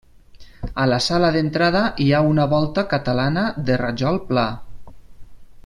A la sala d'entrada hi ha una volta catalana de rajol pla.